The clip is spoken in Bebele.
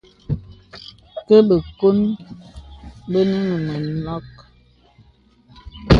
Kə bəkòn bənə məlɔ̄ mənɔ̄k.